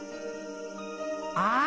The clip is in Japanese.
あ！